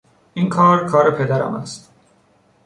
این کار کار پدرم است.